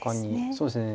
そうですね。